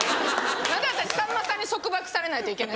何で私さんまさんに束縛されないといけないんですか。